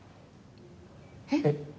えっ？